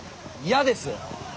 嫌です。